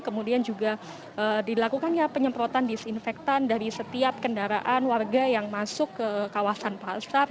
kemudian juga dilakukannya penyemprotan disinfektan dari setiap kendaraan warga yang masuk ke kawasan pasar